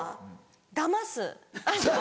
だます。